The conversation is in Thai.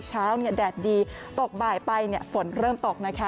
แดดดีตกบ่ายไปฝนเริ่มตกนะคะ